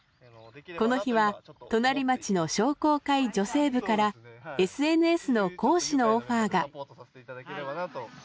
この日は隣町の商工会女性部からＳＮＳの講師のオファーが。